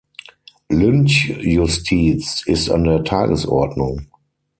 Lynchjustiz ist an der Tagesordnung.